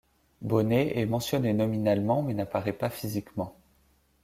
Bonnet est mentionné nominalement mais n'apparaît pas physiquement.